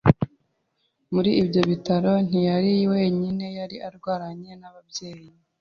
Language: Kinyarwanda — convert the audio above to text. Muri ibyo bitaro ntiyari wenyine yari arwaranye n’ababyeyi